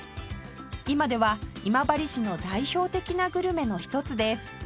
今では今治市の代表的なグルメの一つです